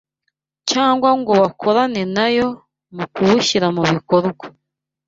cyangwa ngo bakorane na Yo mu kuwushyira mu bikorwa